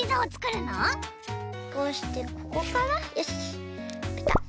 こうしてここからよしぴたっ！